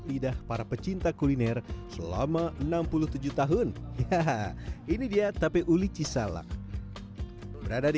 lidah para pecinta kuliner selama enam puluh tujuh tahun ya ini dia tape uli cisalak berada di